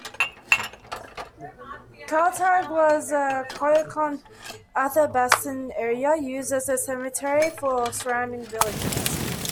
Kaltag was a Koyokon Athabascan area used as a cemetery for surrounding villages.